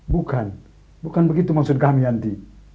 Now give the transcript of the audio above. bukan bukan begitu maksud kami nanti